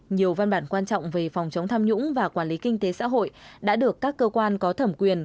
nhiều văn bản quan trọng về phòng chống tham nhũng và quản lý kinh tế xã hội đã được các cơ quan có thẩm quyền